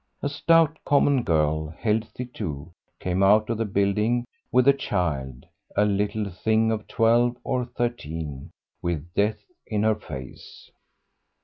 A stout, common girl, healthy too, came out of the building with a child, a little thing of twelve or thirteen, with death in her face.